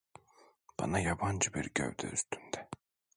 Bana yabancı bir gövde üstünde.